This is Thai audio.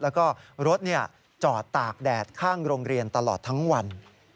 แล้วก็รถจอดตากแดดข้างโรงเรียนตลอดทั้งวัน